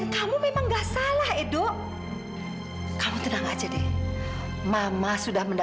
sampai jumpa di video selanjutnya